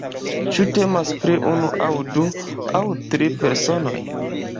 Ĉu temas pri unu aŭ du aŭ tri personoj?